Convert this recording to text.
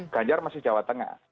ganjar masih jawa tengah